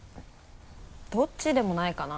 どっちでもないかな。